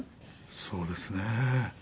そうですね。